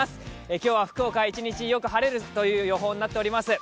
今日は福岡、一日よく晴れるという予報になっております。